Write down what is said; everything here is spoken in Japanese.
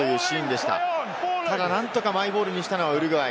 そしてなんとかマイボールにしたのはウルグアイ。